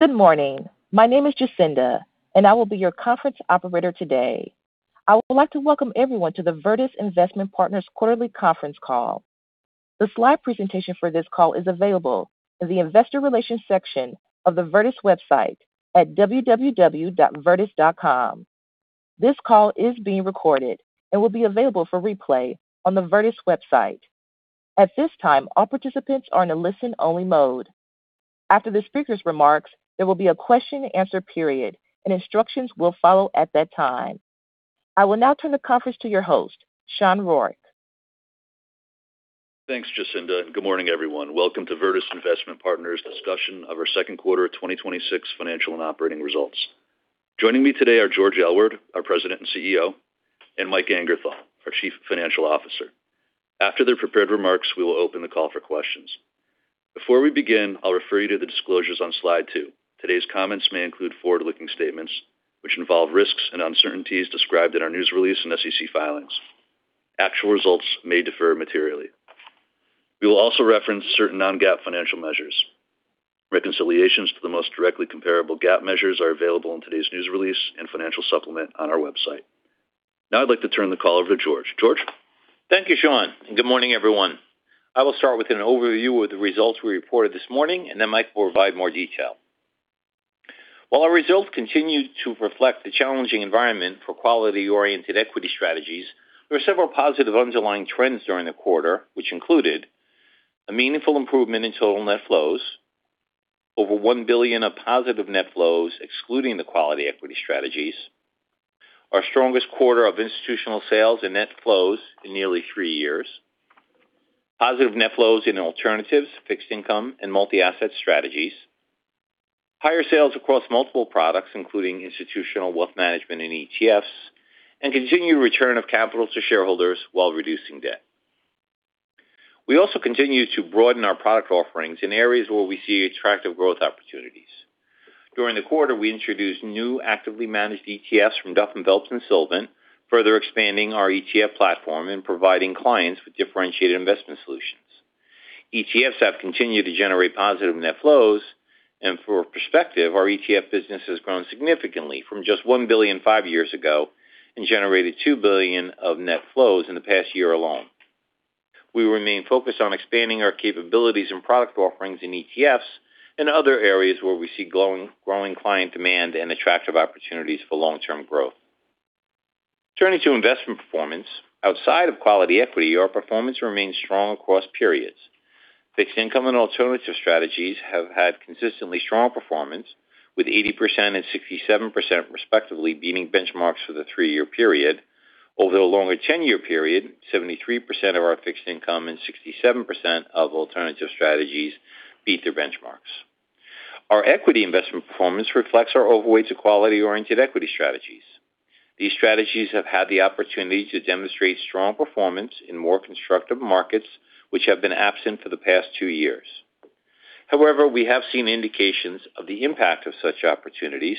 Good morning. My name is Jacinda, and I will be your conference operator today. I would like to welcome everyone to the Virtus Investment Partners quarterly conference call. The slide presentation for this call is available in the investor relations section of the Virtus website at www.virtus.com. This call is being recorded and will be available for replay on the Virtus website. At this time, all participants are in a listen-only mode. After the speaker's remarks, there will be a question-and-answer period, and instructions will follow at that time. I will now turn the conference to your host, Sean Rourke. Thanks, Jacinda, and good morning, everyone. Welcome to Virtus Investment Partners' discussion of our Q2 2026 financial and operating results. Joining me today are George Aylward, our President and CEO, and Mike Angerthal, our Chief Financial Officer. After their prepared remarks, we will open the call for questions. Before we begin, I'll refer you to the disclosures on slide two. Today's comments may include forward-looking statements, which involve risks and uncertainties described in our news release and SEC filings. Actual results may differ materially. We will also reference certain non-GAAP financial measures. Reconciliations to the most directly comparable GAAP measures are available in today's news release and financial supplement on our website. Now I'd like to turn the call over to George. George? Thank you, Sean, and good morning, everyone. I will start with an overview of the results we reported this morning, and then Mike will provide more detail. While our results continue to reflect the challenging environment for quality-oriented equity strategies, there are several positive underlying trends during the quarter, which included a meaningful improvement in total net flows, over $1 billion of positive net flows excluding the quality equity strategies, our strongest quarter of institutional sales and net flows in nearly three years, positive net flows in alternatives, fixed income, and multi-asset strategies, higher sales across multiple products, including institutional wealth management and ETFs, and continued return of capital to shareholders while reducing debt. We also continue to broaden our product offerings in areas where we see attractive growth opportunities. During the quarter, we introduced new actively managed ETFs from Duff & Phelps and Sylvan, further expanding our ETF platform and providing clients with differentiated investment solutions. ETFs have continued to generate positive net flows, and for perspective, our ETF business has grown significantly from just $1 billion five years ago and generated $2 billion of net flows in the past year alone. We remain focused on expanding our capabilities and product offerings in ETFs and other areas where we see growing client demand and attractive opportunities for long-term growth. Turning to investment performance, outside of quality equity, our performance remains strong across periods. Fixed income and alternative strategies have had consistently strong performance, with 80% and 67%, respectively, beating benchmarks for the three-year period. Over the longer 10-year period, 73% of our fixed income and 67% of alternative strategies beat their benchmarks. Our equity investment performance reflects our overweight to quality-oriented equity strategies. These strategies have had the opportunity to demonstrate strong performance in more constructive markets, which have been absent for the past two years. We have seen indications of the impact of such opportunities.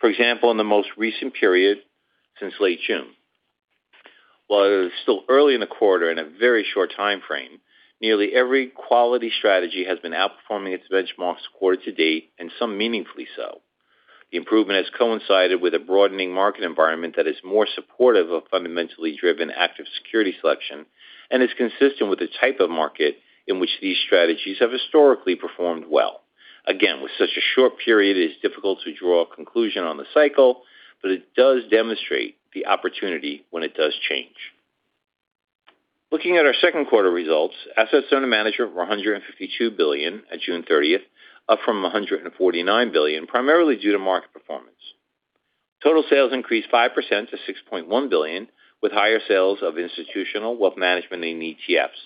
For example, in the most recent period since late June. While it is still early in the quarter and a very short timeframe, nearly every quality strategy has been outperforming its benchmarks quarter-to-date, and some meaningfully so. The improvement has coincided with a broadening market environment that is more supportive of fundamentally driven active security selection and is consistent with the type of market in which these strategies have historically performed well. With such a short period, it is difficult to draw a conclusion on the cycle, but it does demonstrate the opportunity when it does change. Looking at our Q2 results, assets under management were $152 billion at June 30th, up from $149 billion, primarily due to market performance. Total sales increased 5% to $6.1 billion, with higher sales of institutional wealth management in ETFs.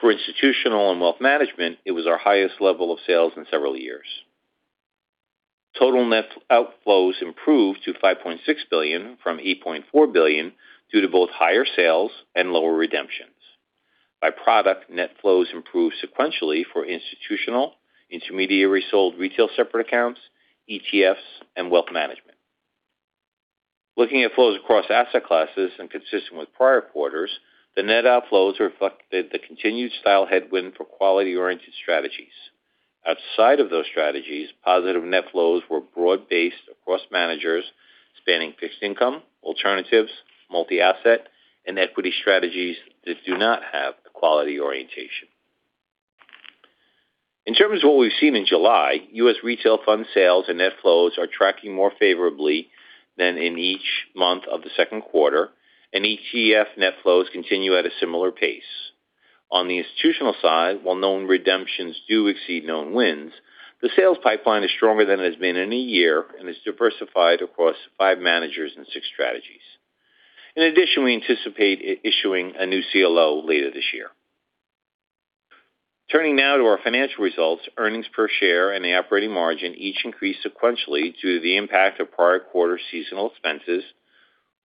For institutional and wealth management, it was our highest level of sales in several years. Total net outflows improved to $5.6 billion from $8.4 billion due to both higher sales and lower redemptions. By product, net flows improved sequentially for institutional, intermediary sold retail separate accounts, ETFs, and wealth management. Looking at flows across asset classes and consistent with prior quarters, the net outflows reflected the continued style headwind for quality-oriented strategies. Outside of those strategies, positive net flows were broad-based across managers spanning fixed income, alternatives, multi-asset, and equity strategies that do not have a quality orientation. In terms of what we've seen in July, U.S. retail fund sales and net flows are tracking more favorably than in each month of the Q2, and ETF net flows continue at a similar pace. On the institutional side, while known redemptions do exceed known wins, the sales pipeline is stronger than it has been in a year and is diversified across five managers and six strategies. We anticipate issuing a new CLO later this year. Turning now to our financial results, earnings per share and the operating margin each increased sequentially due to the impact of prior quarter seasonal expenses,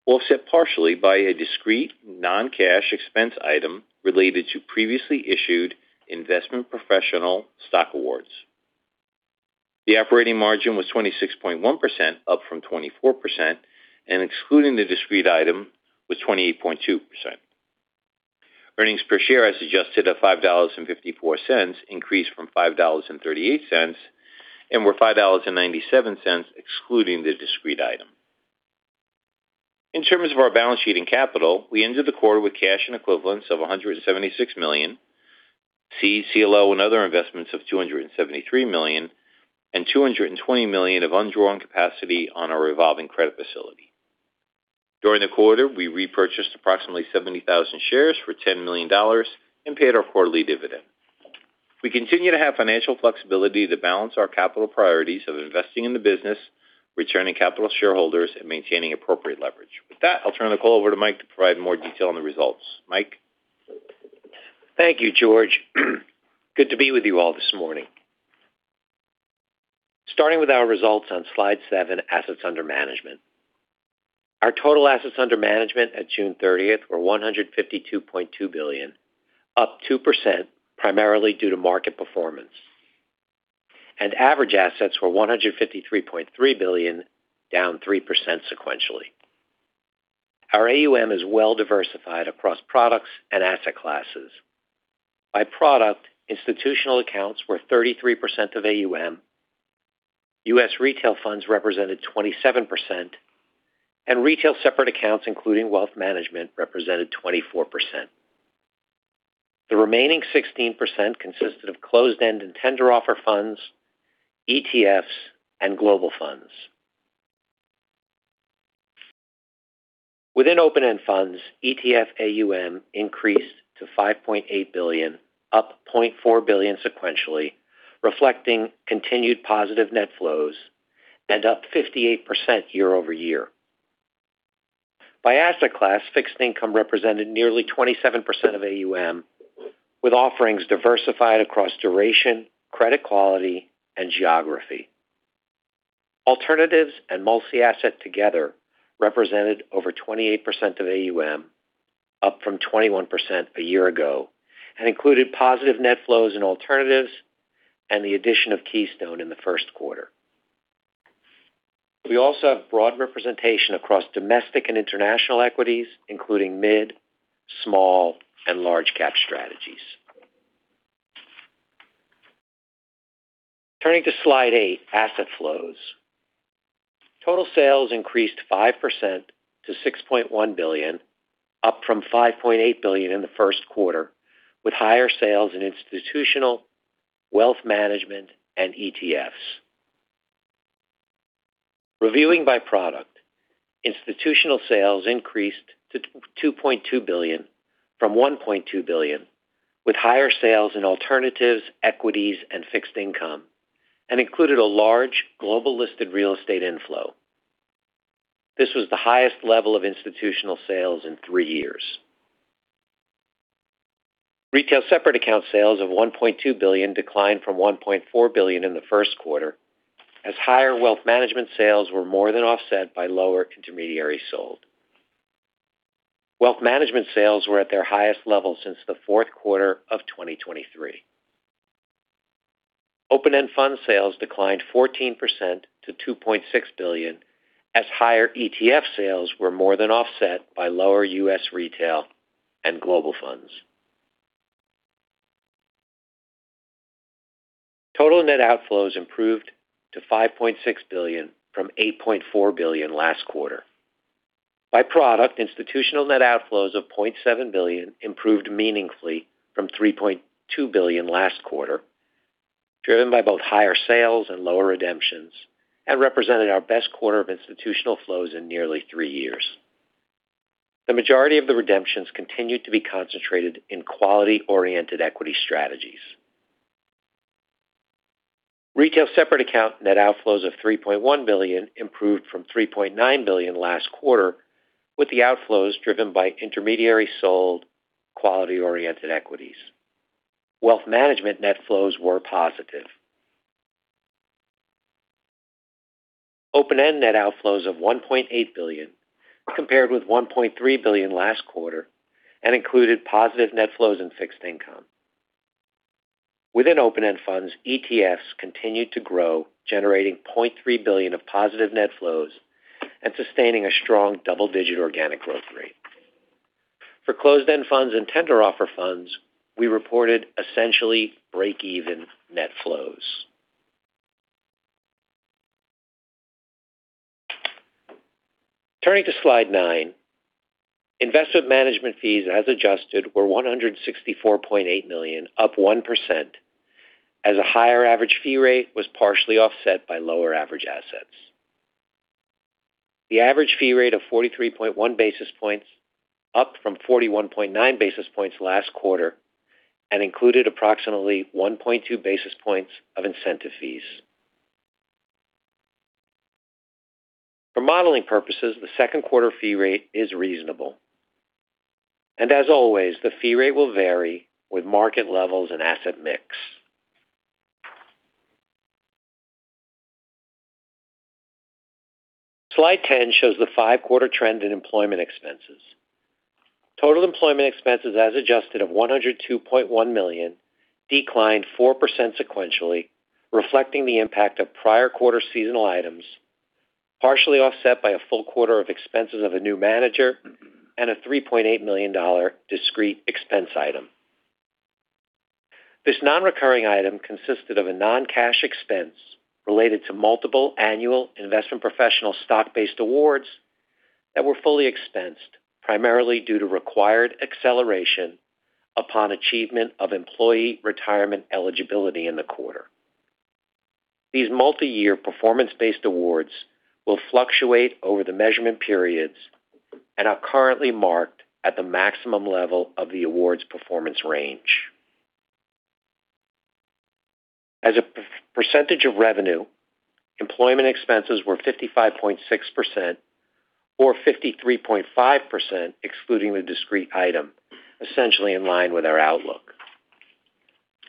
offset partially by a discrete non-cash expense item related to previously issued investment professional stock awards. The operating margin was 26.1%, up from 24%, and excluding the discrete item, was 28.2%. Earnings per share as adjusted of $5.54 increased from $5.38 and were $5.97 excluding the discrete item. In terms of our balance sheet and capital, we ended the quarter with cash and equivalents of $176 million, CLO and other investments of $273 million, and $220 million of undrawn capacity on our revolving credit facility. During the quarter, we repurchased approximately 70,000 shares for $10 million and paid our quarterly dividend. We continue to have financial flexibility to balance our capital priorities of investing in the business, returning capital to shareholders, and maintaining appropriate leverage. I'll turn the call over to Mike to provide more detail on the results. Mike. Thank you, George. Good to be with you all this morning. Starting with our results on slide seven, assets under management. Our total assets under management at June 30th were $152.2 billion, up 2%, primarily due to market performance. Average assets were $153.3 billion, down 3% sequentially. Our AUM is well-diversified across products and asset classes. By product, institutional accounts were 33% of AUM, U.S. retail funds represented 27%, and retail separate accounts, including wealth management, represented 24%. The remaining 16% consisted of closed-end and tender offer funds, ETFs, and global funds. Within open-end funds, ETF AUM increased to $5.8 billion, up $0.4 billion sequentially, reflecting continued positive net flows and up 58% year-over-year. By asset class, fixed income represented nearly 27% of AUM, with offerings diversified across duration, credit quality, and geography. Alternatives and multi-asset together represented over 28% of AUM, up from 21% a year ago, and included positive net flows in alternatives and the addition of Keystone in the Q1. We also have broad representation across domestic and international equities, including mid, small, and large-cap strategies. Turning to slide eight, asset flows. Total sales increased 5% to $6.1 billion, up from $5.8 billion in the Q1, with higher sales in institutional, wealth management, and ETFs. Reviewing by product, institutional sales increased to $2.2 billion from $1.2 billion, with higher sales in alternatives, equities, and fixed income, and included a large global listed real estate inflow. This was the highest level of institutional sales in three years. Retail separate account sales of $1.2 billion declined from $1.4 billion in the Q1, as higher wealth management sales were more than offset by lower intermediary sold. Wealth management sales were at their highest level since the Q4 of 2023. Open-end fund sales declined 14% to $2.6 billion, as higher ETF sales were more than offset by lower U.S. retail and global funds. Total net outflows improved to $5.6 billion from $8.4 billion last quarter. By product, institutional net outflows of $0.7 billion improved meaningfully from $3.2 billion last quarter, driven by both higher sales and lower redemptions, and represented our best quarter of institutional flows in nearly three years. The majority of the redemptions continued to be concentrated in quality-oriented equity strategies. Retail separate account net outflows of $3.1 billion improved from $3.9 billion last quarter, with the outflows driven by intermediary sold quality-oriented equities. Wealth management net flows were positive. Open-end net outflows of $1.8 billion compared with $1.3 billion last quarter and included positive net flows in fixed income. Within open-end funds, ETFs continued to grow, generating $0.3 billion of positive net flows and sustaining a strong double-digit organic growth rate. For closed-end funds and tender offer funds, we reported essentially break-even net flows. Turning to slide nine. Investment management fees as adjusted were $164.8 million, up 1%, as a higher average fee rate was partially offset by lower average assets. The average fee rate of 43.1 basis points up from 41.9 basis points last quarter and included approximately 1.2 basis points of incentive fees. For modeling purposes, the Q2 fee rate is reasonable. As always, the fee rate will vary with market levels and asset mix. Slide 10 shows the five-quarter trend in employment expenses. Total employment expenses as adjusted of $102.1 million declined 4% sequentially, reflecting the impact of prior quarter seasonal items partially offset by a full quarter of expenses of a new manager and a $3.8 million discrete expense item. This non-recurring item consisted of a non-cash expense related to multiple annual investment professional stock-based awards that were fully expensed, primarily due to required acceleration upon achievement of employee retirement eligibility in the quarter. These multi-year performance-based awards will fluctuate over the measurement periods and are currently marked at the maximum level of the award's performance range. As a percentage of revenue, employment expenses were 55.6%, or 53.5% excluding the discrete item, essentially in line with our outlook.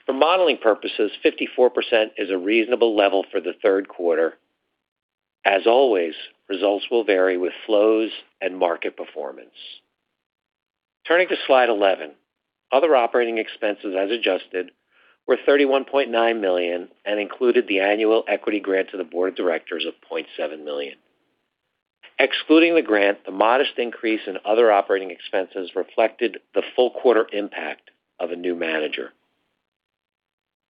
For modeling purposes, 54% is a reasonable level for the Q3. As always, results will vary with flows and market performance. Turning to slide 11. Other operating expenses as adjusted were $31.9 million and included the annual equity grant to the board of directors of $0.7 million. Excluding the grant, the modest increase in other operating expenses reflected the full quarter impact of a new manager.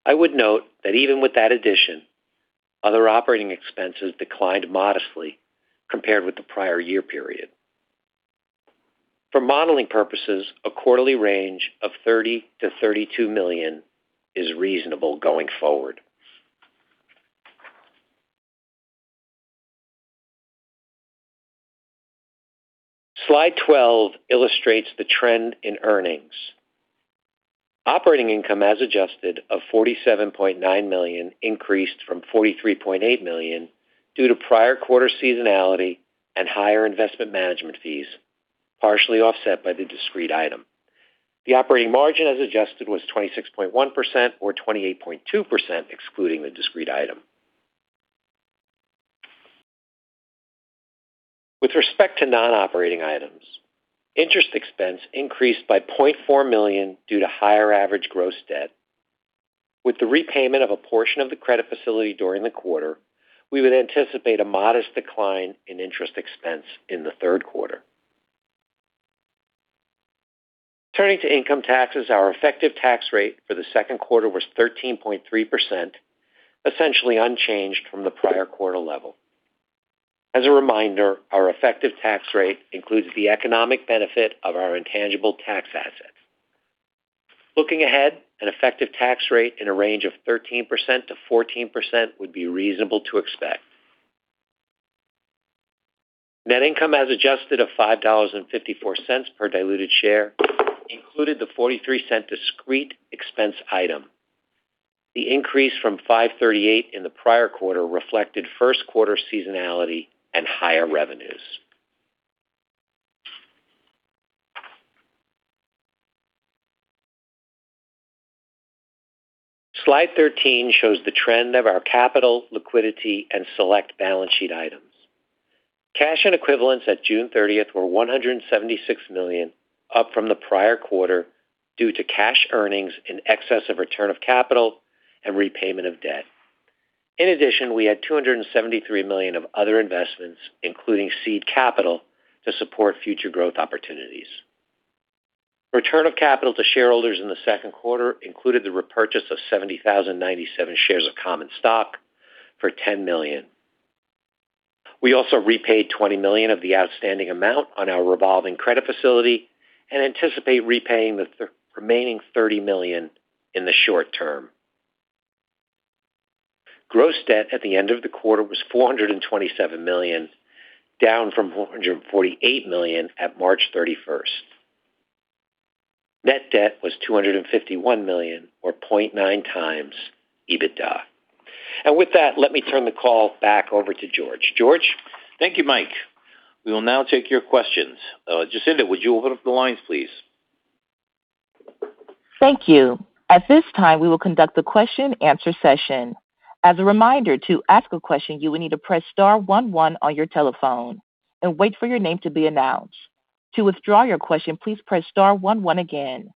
I would note that even with that addition, other operating expenses declined modestly compared with the prior year period. For modeling purposes, a quarterly range of $30 million-$32 million is reasonable going forward. Slide 12 illustrates the trend in earnings. Operating income as adjusted of $47.9 million increased from $43.8 million due to prior quarter seasonality and higher investment management fees, partially offset by the discrete item. The operating margin as adjusted was 26.1% or 28.2%, excluding the discrete item. With respect to non-operating items, interest expense increased by $0.4 million due to higher average gross debt. With the repayment of a portion of the credit facility during the quarter, we would anticipate a modest decline in interest expense in the Q3. Turning to income taxes, our effective tax rate for the Q2 was 13.3%, essentially unchanged from the prior quarter level. As a reminder, our effective tax rate includes the economic benefit of our intangible tax assets. Looking ahead, an effective tax rate in a range of 13%-14% would be reasonable to expect. Net income as adjusted of $5.54 per diluted share included the $0.43 discrete expense item. The increase from $5.38 in the prior quarter reflected Q1 seasonality and higher revenues. Slide 13 shows the trend of our capital liquidity and select balance sheet items. Cash and equivalents at June 30th were $176 million, up from the prior quarter due to cash earnings in excess of return of capital and repayment of debt. In addition, we had $273 million of other investments, including seed capital to support future growth opportunities. Return of capital to shareholders in the Q2 included the repurchase of 70,097 shares of common stock for $10 million. We also repaid $20 million of the outstanding amount on our revolving credit facility and anticipate repaying the remaining $30 million in the short-term. Gross debt at the end of the quarter was $427 million, down from $448 million at March 31st. Net debt was $251 million, or 0.9x EBITDA. With that, let me turn the call back over to George. George? Thank you, Mike. We will now take your questions. Jacinda, would you open up the lines, please? Thank you. At this time, we will conduct the question answer session. As a reminder, to ask a question, you will need to press star one one on your telephone and wait for your name to be announced. To withdraw your question, please press star one one again.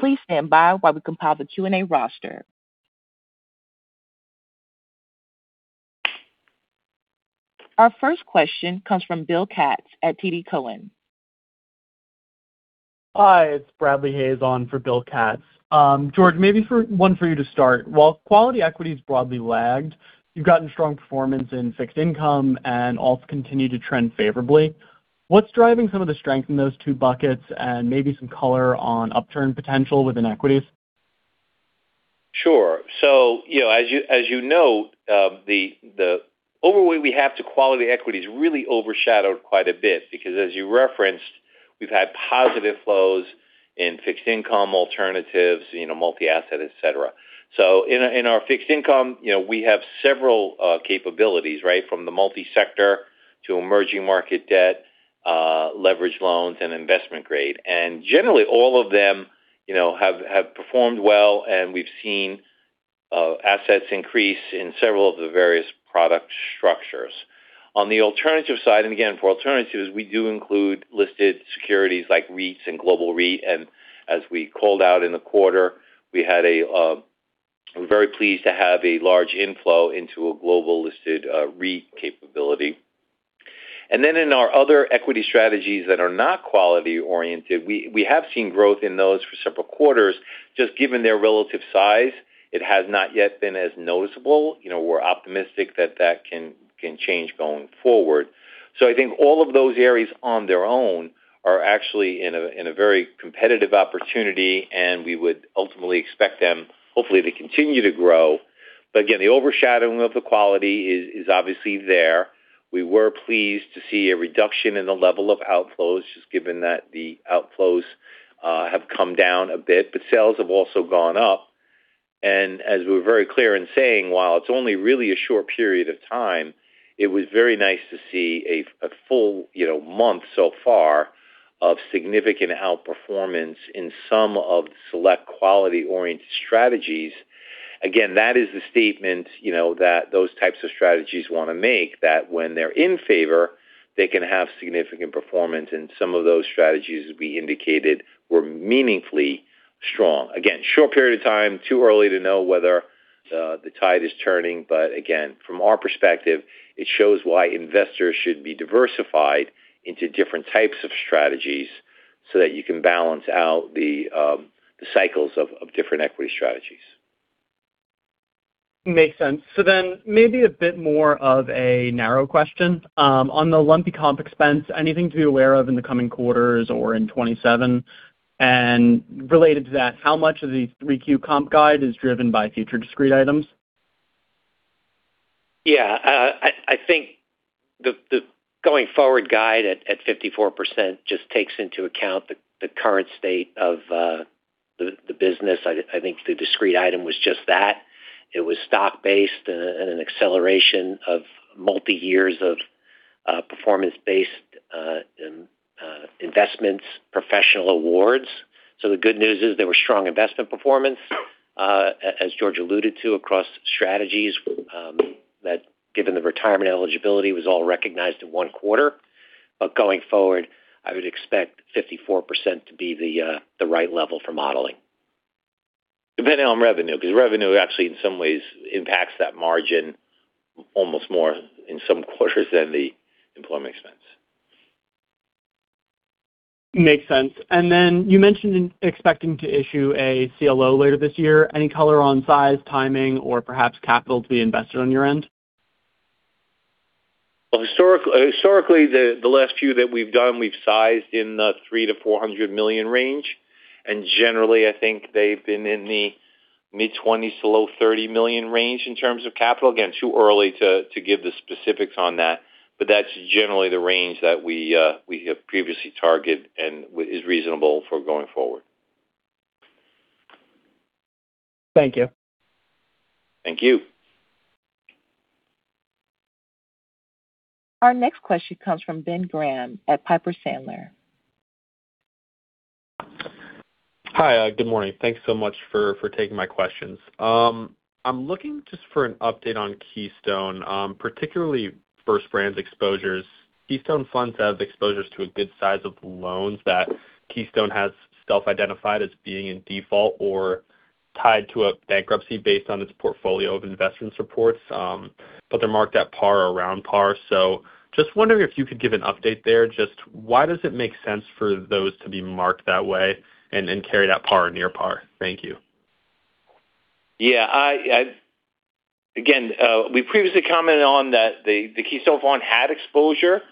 Please stand by while we compile the Q&A roster. Our first question comes from Bill Katz at TD Cowen. Hi, it's Bradley Hayes on for Bill Katz. George, maybe one for you to start. While quality equities broadly lagged, you've gotten strong performance in fixed income and alts continue to trend favorably. What's driving some of the strength in those two buckets and maybe some color on upturn potential within equities? Sure. As you know, the overweight we have to quality equities really overshadowed quite a bit because as you referenced, we've had positive flows in fixed income alternatives, multi-asset, et cetera. In our fixed income, we have several capabilities, from the multi-sector to emerging market debt, leverage loans, and investment grade. Generally, all of them have performed well, and we've seen assets increase in several of the various product structures. On the alternative side, again, for alternatives, we do include listed securities like REITs and global REIT. As we called out in the quarter, we're very pleased to have a large inflow into a global listed REIT capability. Then in our other equity strategies that are not quality-oriented, we have seen growth in those for several quarters. Just given their relative size, it has not yet been as noticeable. We're optimistic that that can change going forward. I think all of those areas on their own are actually in a very competitive opportunity, and we would ultimately expect them hopefully to continue to grow. Again, the overshadowing of the quality is obviously there. We were pleased to see a reduction in the level of outflows, just given that the outflows have come down a bit, but sales have also gone up. As we were very clear in saying, while it's only really a short period of time, it was very nice to see a full month so far of significant outperformance in some of the select quality-oriented strategies. Again, that is the statement that those types of strategies want to make, that when they're in favor, they can have significant performance, and some of those strategies, as we indicated, were meaningfully strong. Again, short period of time, too early to know whether the tide is turning. Again, from our perspective, it shows why investors should be diversified into different types of strategies so that you can balance out the cycles of different equity strategies. Makes sense. Maybe a bit more of a narrow question. On the lumpy comp expense, anything to be aware of in the coming quarters or in 2027? Related to that, how much of the Q3 comp guide is driven by future discrete items? I think the going-forward guide at 54% just takes into account the current state of the business. I think the discrete item was just that. It was stock-based and an acceleration of multi-years of performance-based investments, professional awards. The good news is there was strong investment performance, as George alluded to, across strategies that given the retirement eligibility was all recognized in one quarter. Going forward, I would expect 54% to be the right level for modeling. Depending on revenue, because revenue actually in some ways impacts that margin almost more in some quarters than the employment expense. Makes sense. You mentioned expecting to issue a CLO later this year. Any color on size, timing, or perhaps capital to be invested on your end? Historically, the last few that we've done, we've sized in the $300 million-$400 million range, and generally, I think they've been in the mid-twenties to low-thirty million range in terms of capital. Again, too early to give the specifics on that, but that's generally the range that we have previously targeted and is reasonable for going forward. Thank you. Thank you. Our next question comes from Ben Graham at Piper Sandler. Hi. Good morning. Thanks so much for taking my questions. I'm looking just for an update on Keystone, particularly First Brand's exposures. Keystone Funds have exposures to a good size of loans that Keystone has self-identified as being in default or tied to a bankruptcy based on its portfolio of investment supports, but they're marked at par or around par. Just wondering if you could give an update there. Just why does it make sense for those to be marked that way and carried at par or near par? Thank you. Again, we previously commented on that the Keystone Fund had exposure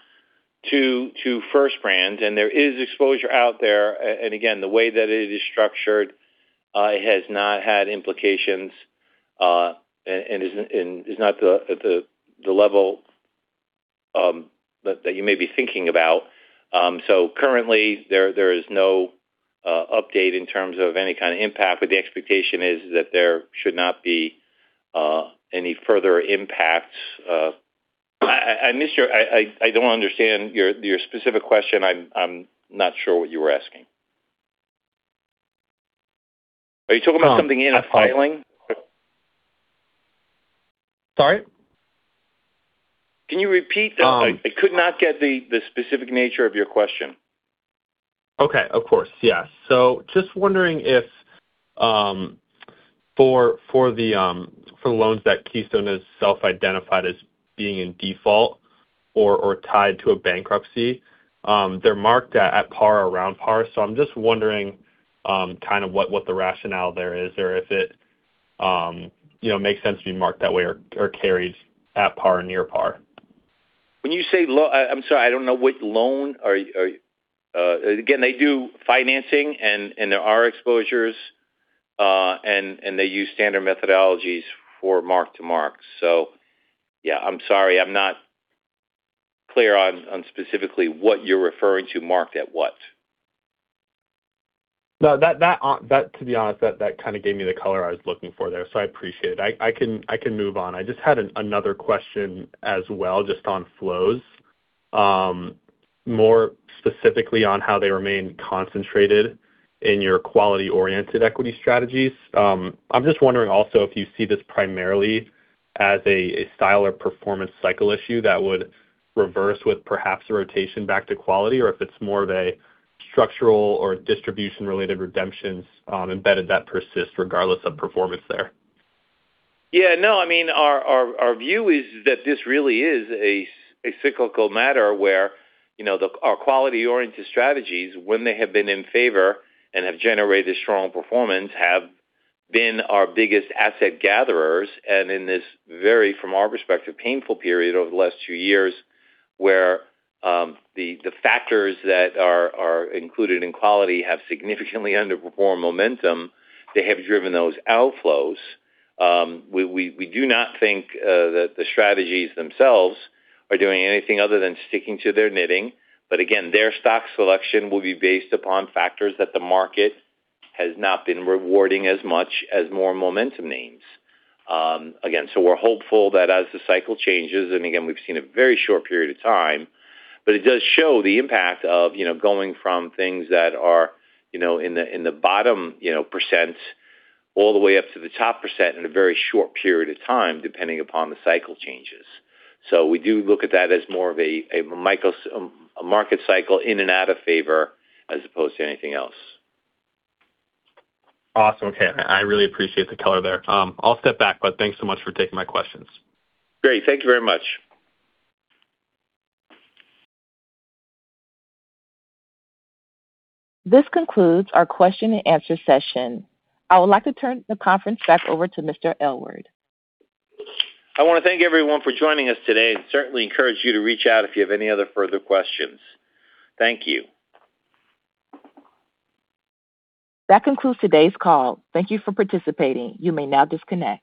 to First Brand, and there is exposure out there. Again, the way that it is structured has not had implications and is not the level that you may be thinking about. Currently, there is no update in terms of any kind of impact, but the expectation is that there should not be any further impacts. I don't understand your specific question. I'm not sure what you were asking. Are you talking about something in a filing? Sorry? Can you repeat that? I could not get the specific nature of your question. Okay. Of course, yeah. Just wondering if for loans that Keystone has self-identified as being in default or tied to a bankruptcy, they're marked at par or around par. I'm just wondering kind of what the rationale there is, or if it makes sense to be marked that way or carried at par or near par. When you say I'm sorry, I don't know which loan are you Again, they do financing, and there are exposures, and they use standard methodologies for mark-to-marks. Yeah, I'm sorry, I'm not clear on specifically what you're referring to marked at what. No. To be honest, that kind of gave me the color I was looking for there, so I appreciate it. I can move on. I just had another question as well, just on flows. More specifically on how they remain concentrated in your quality-oriented equity strategies. I'm just wondering also if you see this primarily as a style or performance cycle issue that would reverse with perhaps a rotation back to quality, or if it's more of a structural or distribution-related redemptions embedded that persist regardless of performance there. Yeah. No, our view is that this really is a cyclical matter where our quality-oriented strategies, when they have been in favor and have generated strong performance, have been our biggest asset gatherers. In this very, from our perspective, painful period over the last two years, where the factors that are included in quality have significantly underperformed momentum, they have driven those outflows. We do not think that the strategies themselves are doing anything other than sticking to their knitting. Again, their stock selection will be based upon factors that the market has not been rewarding as much as more momentum names. We're hopeful that as the cycle changes, we've seen a very short period of time, but it does show the impact of going from things that are in the bottom percent all the way up to the top percent in a very short period of time, depending upon the cycle changes. We do look at that as more of a market cycle in and out of favor as opposed to anything else. Awesome. Okay. I really appreciate the color there. I'll step back, but thanks so much for taking my questions. Great. Thank you very much. This concludes our question-and-answer session. I would like to turn the conference back over to Mr. Aylward. I want to thank everyone for joining us today and certainly encourage you to reach out if you have any other further questions. Thank you. That concludes today's call. Thank you for participating. You may now disconnect.